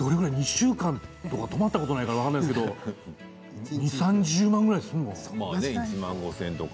２週間とか泊まったことないから分からないですけど２０万から３０万ぐらいするんじゃないの？